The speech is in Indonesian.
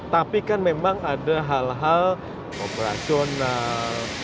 tapi kan memang ada hal hal operasional